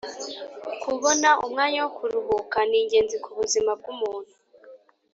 Kubona umwanya wo kuruhuka ni ingenzi kubuzima bwumuntu